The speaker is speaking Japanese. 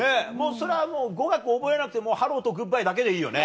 それは語学覚えなくてハローとグッバイだけでいいよね。